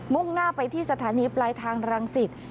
่งหน้าไปที่สถานีปลายทางรังสิต